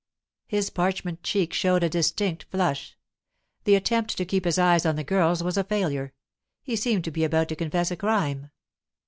His parchment cheek showed a distinct flush. The attempt to keep his eyes on the girls was a failure; he seemed to be about to confess a crime.